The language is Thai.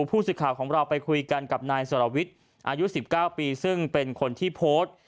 ผู้สื่อข่าวของเราไปคุยกันกับนายสรวิทย์อายุ๑๙ปีซึ่งเป็นคนที่โพสต์